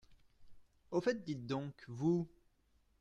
Au fait, dites donc, vous…